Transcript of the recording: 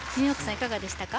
いかがでしたか？